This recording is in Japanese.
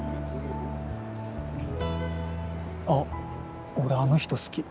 あっ俺あの人好き。